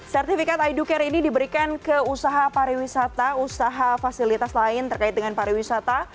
sertifikat ido care ini diberikan ke usaha pariwisata usaha fasilitas lain terkait dengan pariwisata